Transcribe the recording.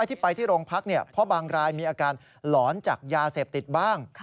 ที่ไปที่โรงพักเพราะบางรายมีอาการหลอนจากยาเสพติดบ้าง